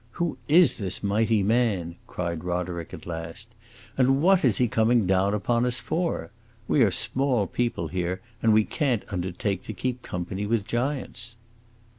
"Who is this mighty man," cried Roderick at last, "and what is he coming down upon us for? We are small people here, and we can't undertake to keep company with giants."